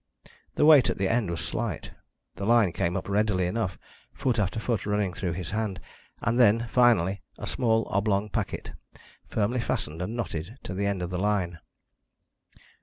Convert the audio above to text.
The weight at the end was slight; the line came up readily enough, foot after foot running through his hand, and then, finally, a small oblong packet, firmly fastened and knotted to the end of the line.